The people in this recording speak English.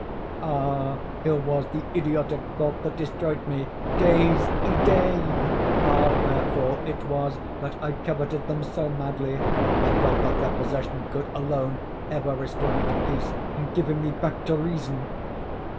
_—ah here was the idiotic thought that destroyed me! Des idées!—ah, therefore it was that I coveted them so madly! I felt that their possession could alone ever restore me to peace, in giving me back to reason.